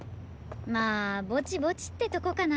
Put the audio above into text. まあぼちぼちってとこかな。